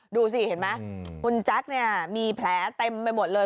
ดูสิเห็นไหมคุณแจ๊คเนี่ยมีแผลเต็มไปหมดเลย